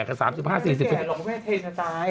ไม่แก่หรอกพวกแม่เทรนจะตาย